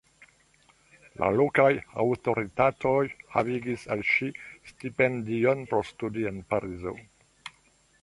La lokaj aŭtoritatoj havigis al ŝi stipendion por studi en Parizo.